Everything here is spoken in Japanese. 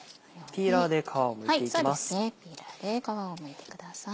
ピーラーで皮をむいてください。